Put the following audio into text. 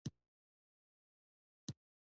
یو ځل بیا ټول واکونه ترې واخیستل شول او ګوښه شو.